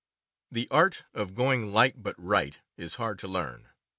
The art of going "light but right" is hard to learn.